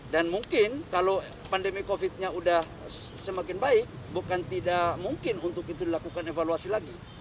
dan mungkin kalau pandemi covid nya sudah semakin baik bukan tidak mungkin untuk itu dilakukan evaluasi lagi